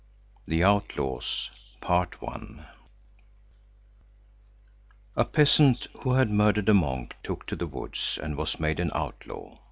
THE OUTLAWS A peasant who had murdered a monk took to the woods and was made an outlaw.